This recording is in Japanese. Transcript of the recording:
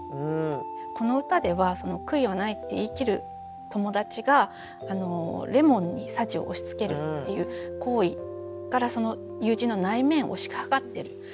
この歌では「悔いはない」って言い切る友達がレモンに匙を押しつけるっていう行為からその友人の内面を推し量ってる。